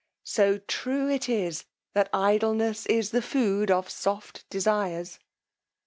So true it is that idleness is the food of soft desires.